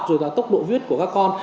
rồi là tốc độ viết của các con